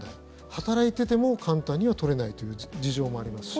働いていても簡単には取れないという事情もありますし。